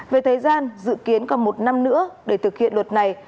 về thời gian dự kiến còn một năm nữa để thực hiện luật này